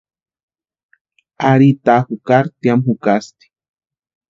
Ari taa jukari tiamu jatasti.